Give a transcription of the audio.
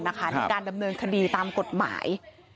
ในการดำเนินคดีตามกฎหมาย